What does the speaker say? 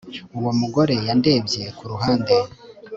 Uwo mugore yandebye kuruhande